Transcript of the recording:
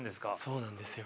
そうなんですよ。